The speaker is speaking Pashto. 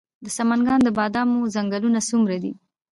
د سمنګان د بادامو ځنګلونه څومره دي؟